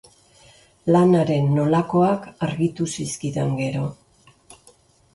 Lanaren nolakoak argitu zizkidan gero.